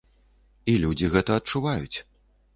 І людзі гэта адчуваюць.